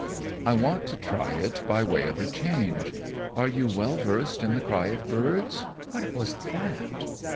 I want to try it by way of a change. Are you well versed in the cry of birds? What was that?"